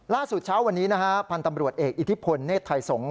เช้าวันนี้นะฮะพันธ์ตำรวจเอกอิทธิพลเนธไทยสงศ